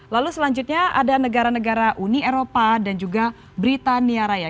lalu selanjutnya ada negara negara uni eropa dan juga britania raya